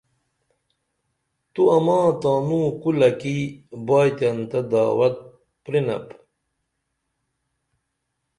تو اماں تانوں کُلہ کی بائتین تہ دعوت پرینپ